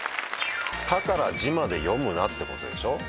「た」から「じ」まで読むなってことでしょ。